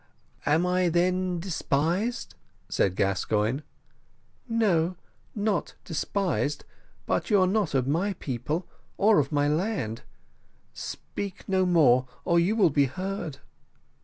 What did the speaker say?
"Am I then despised?" said Gascoigne. "No, not despised, but you are not of my people or of my land; speak no more, or you will be heard."